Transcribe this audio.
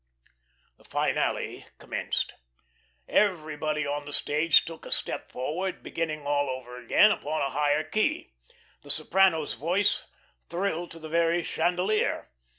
The finale commenced. Everybody on the stage took a step forward, beginning all over again upon a higher key. The soprano's voice thrilled to the very chandelier.